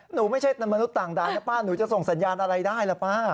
ไม่ใช่มนุษย์ต่างดาวนะป้าหนูจะส่งสัญญาณอะไรได้ล่ะป้า